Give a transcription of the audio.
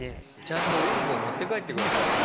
ちゃんとウンコ持って帰ってくださいね。